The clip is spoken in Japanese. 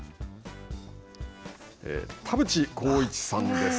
田淵幸一さんです。